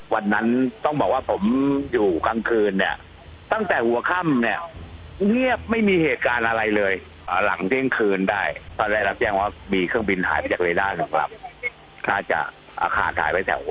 แต่มองขึ้นไปบนเขาเห็นไฟลุกเป็นหย่อำหย่อำหยอม